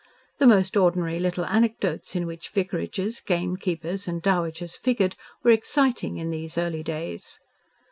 The most ordinary little anecdotes in which vicarages, gamekeepers, and dowagers figured, were exciting in these early days.